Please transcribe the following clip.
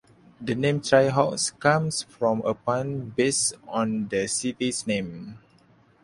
The name Tri Hawks comes from a pun based on the city's name.